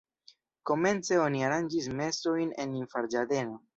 Komence oni aranĝis mesojn en infanĝardeno.